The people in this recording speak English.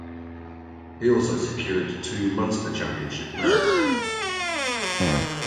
He also secured two Munster Championship medals.